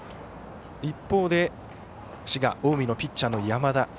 一方、滋賀・近江のピッチャーの山田